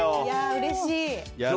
うれしい。